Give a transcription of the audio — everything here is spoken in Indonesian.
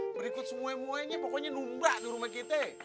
berikut semua pokoknya numbra di rumah kita